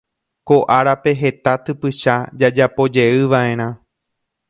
Ko árape heta typycha jajapojeyvaʼerã.